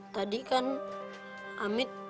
tadi kan amit